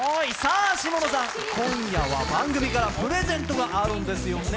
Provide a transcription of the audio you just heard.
下野さん、今夜は番組からプレゼントがあるんですよね。